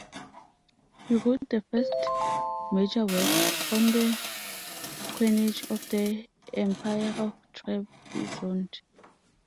He wrote the first major work on the coinage of the Empire of Trebizond.